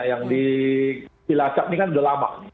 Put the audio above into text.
yang di cilacap ini kan sudah lama